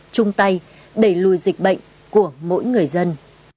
chung tay đẩy lùi dịch bệnh của mỗi người dân